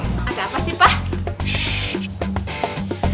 asal apa sih pak